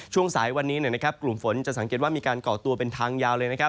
ช่วงสายวันนี้กลุ่มฝนจะสังเกตว่ามีการก่อตัวเป็นทางยาวเลยนะครับ